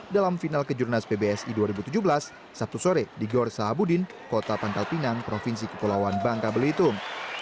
dalam final kejuaraan nasional pbsi dua ribu tujuh belas sabtu sore di gorsahabudin kota pangkal pinang provinsi kepulauan bangka blitung